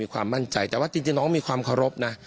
ความมั่นใจแต่ว่าจริงน้องมีความเคารพนะ